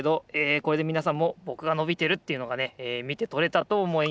これでみなさんもぼくがのびてるっていうのがねえみてとれたとおもいます。